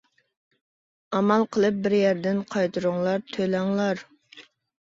ئامال قىلىپ بىر يەردىن، قايتۇرۇڭلار تۆلەڭلار.